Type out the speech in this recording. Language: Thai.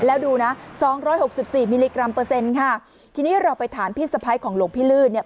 แล้วดูนะสองร้อยหกสิบสี่มิลลิกรัมเปอร์เซ็นต์ค่ะทีนี้เราไปถามพี่สะพ้ายของหลวงพี่ลื่นเนี่ย